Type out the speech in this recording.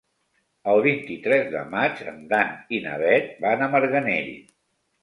El vint-i-tres de maig en Dan i na Bet van a Marganell.